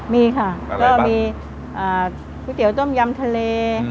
มีค่ะก็มีก๋วยเตี๋ยต้มยำทะเล